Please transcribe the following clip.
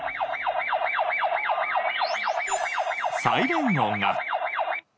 サイレン音が。